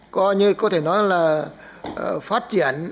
coi như có thể nói là phát triển